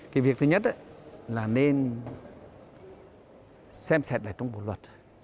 cái việc thứ nhất là nên xem xét lại trong bộ luật